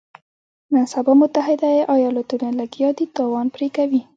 نن سبا متحده ایالتونه لګیا دي تاوان پرې کوي.